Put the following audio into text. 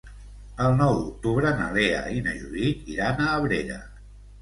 El nou d'octubre na Lea i na Judit iran a Abrera.